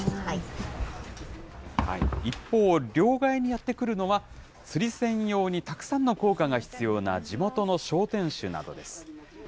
一方、両替にやって来るのは、釣り銭用にたくさんの硬貨が必要な地元の商店主などです。